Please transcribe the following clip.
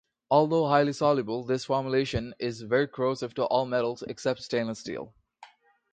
Although highly soluble, this formulation is very corrosive to all metals except stainless steel.